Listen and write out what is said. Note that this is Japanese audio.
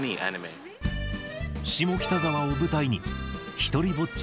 下北沢を舞台に、独りぼっち